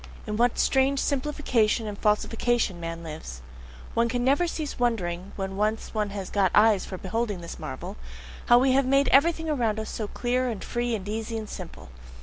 In what strange simplification and falsification man lives! One can never cease wondering when once one has got eyes for beholding this marvel! How we have made everything around us clear and free and easy and simple!